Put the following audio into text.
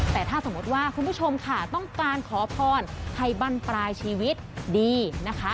แต่ถ้าสมมติว่าคุณผู้ชมค่ะต้องการขอพรให้บั้นปลายชีวิตดีนะคะ